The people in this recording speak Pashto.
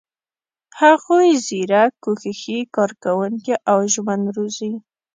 هغوی زیرک، کوښښي، کارکوونکي او ژمن روزي.